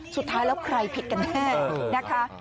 สุดท้ายแล้วใครผิดกันแน่นะคะ